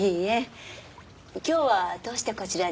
今日はどうしてこちらに？